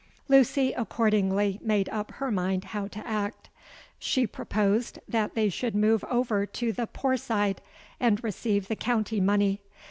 Lucy accordingly made up her mind how to act. She proposed that they should remove over to the Poor Side, and receive the County money.